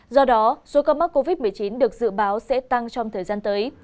do đó số ca mắc covid một mươi chín được dự báo sẽ tăng trong thời gian tới